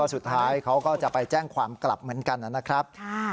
สุดท้ายเขาก็จะไปแจ้งความกลับเหมือนกันนะครับ